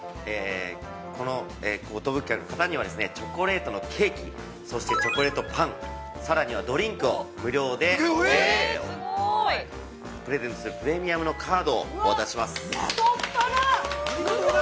◆この寿客の方には、チョコレートのケーキ、そして、チョコレートパン、さらにはドリンクを無料でプレゼントする、プレミアムのカードをお渡しします。